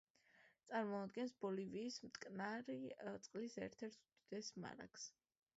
წარმოადგენს ბოლივიის მტკნარი წყლის ერთ-ერთ უდიდეს მარაგს.